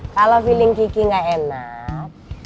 kalau feeling ki ki gak enak